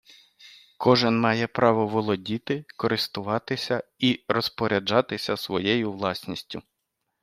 Кожен має право володіти, користуватися і розпоряджатися своєю власністю